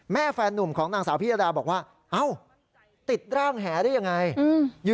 แฟนนุ่มของนางสาวพิยดาบอกว่าเอ้าติดร่างแหได้ยังไง